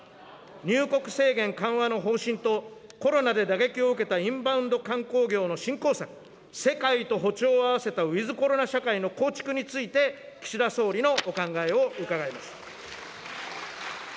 入国制限緩和の方針と、コロナで打撃を受けたインバウンド観光業の振興策、世界と歩調を合わせたウィズコロナ社会の構築について、岸田総理のお考えを伺います。